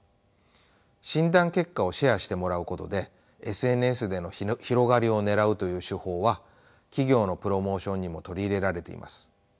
診断結果をシェアしてもらうことでＳＮＳでの広がりをねらうという手法は企業のプロモーションにも取り入れられています。